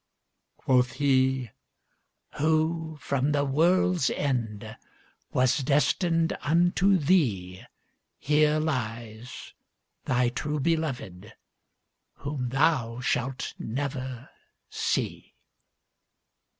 Quoth he, "Who from the world's endWas destined unto theeHere lies, thy true belovèdWhom thou shalt never see."